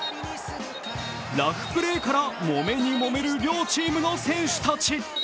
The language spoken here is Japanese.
ラフプレーからもめにもめる両チームの選手たち。